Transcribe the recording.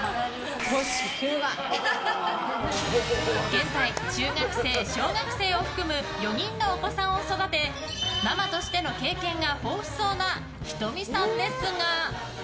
現在中学生、小学生を含む４人のお子さんを育てママとしての経験が豊富そうなｈｉｔｏｍｉさんですが。